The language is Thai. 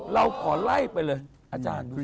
เราขอไล่ไปเลยอาจารย์